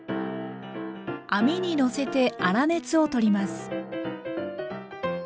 網にのせて粗熱を取ります。